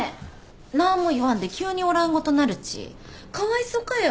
なあんも言わんで急におらんごとなるちかわいそかよ。